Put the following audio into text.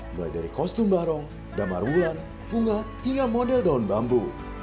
mulai dari kostum barong damar wulan bunga hingga model daun bambu